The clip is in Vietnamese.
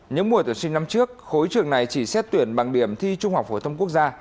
những mùa tuyển sinh năm trước khối trường này chỉ xét tuyển bằng điểm thi trung học phổ thông quốc gia